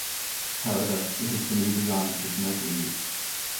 However, it has been redesigned for commercial use.